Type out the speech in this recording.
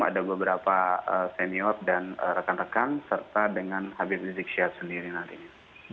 ada beberapa senior dan rekan rekan serta dengan habib rizik sihab sendiri nantinya